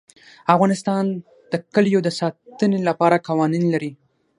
افغانستان د کلیو د ساتنې لپاره قوانین لري.